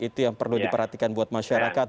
itu yang perlu diperhatikan buat masyarakat